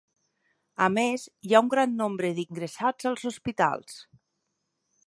A més, hi ha un gran nombre d’ingressats als hospitals.